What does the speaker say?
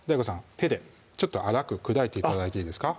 手でちょっと粗く砕いて頂いていいですか？